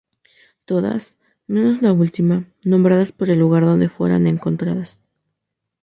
Todas, menos la última, nombradas por el lugar donde fueran encontradas.